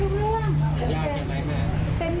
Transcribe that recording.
เพราะว่าเขาเลือกการเริ่มทั้งข้าง